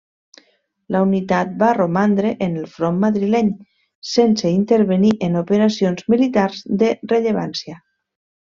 La unitat va romandre en el front madrileny, sense intervenir en operacions militars de rellevància.